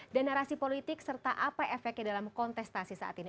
dan narasi politik serta apa efeknya dalam kontestasi saat ini